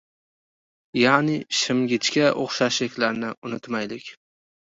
ya’ni shimgichga o‘xshashliklarini unutmaylik.